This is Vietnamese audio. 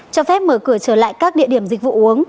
cho phép mở cửa trở lại các địa điểm dịch vụ uống